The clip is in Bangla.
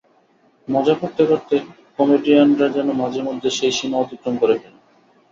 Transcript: মজা করতে করতে কমেডিয়ানরা যেন মাঝেমধ্যে সেই সীমা অতিক্রম করে ফেলেন।